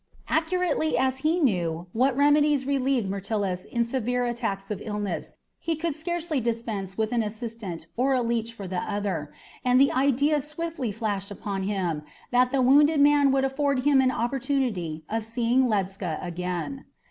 Accurately as he knew what remedies relieved Myrtilus in severe attacks of illness, he could scarcely dispense with an assistant or a leech for the other, and the idea swiftly flashed upon him that the wounded man would afford him an opportunity of seeing Ledscha again.